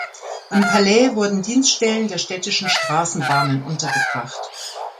Im Palais wurden Dienststellen der Städtischen Straßenbahnen untergebracht.